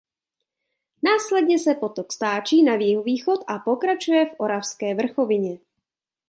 Následně se potok stáčí na jihovýchod a pokračuje v Oravské vrchovině.